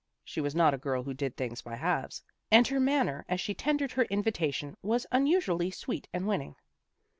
She was not a girl who did things by halves, and her manner as she tendered her invitation was unusually sweet and winning.